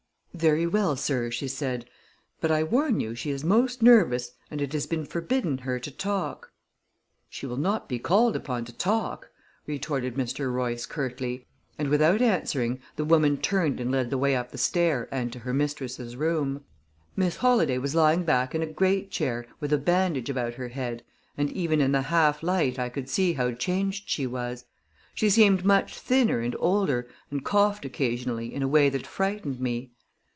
"Very well, sir," she said. "But I warn you, she is most nervous and it has been forbidden her to talk." "She will not be called upon to talk," retorted Mr. Royce curtly; and without answering, the woman turned and led the way up the stair and to her mistress's room. Miss Holladay was lying back in a great chair with a bandage about her head, and even in the half light I could see how changed she was. She seemed much thinner and older, and coughed occasionally in a way that frightened me.